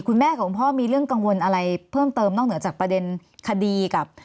คุณพ่อของคุณพ่อมีเรื่องกังวลอะไรเพิ่มเติมนอกเหนือจากประเด็นคดีกับ